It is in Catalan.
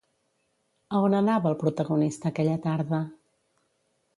A on anava el protagonista aquella tarda?